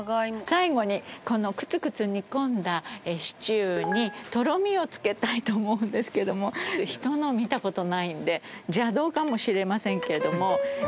最後にこのクツクツ煮込んだシチューにとろみをつけたいと思うんですけども人のを見た事ないので邪道かもしれませんけども。